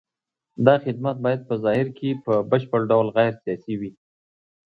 دا خدمات باید په ظاهر کې په بشپړ ډول غیر سیاسي وي.